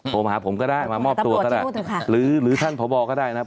โทรมาหาผมก็ได้มามอบตัวก็ได้หรือท่านพบก็ได้นะครับ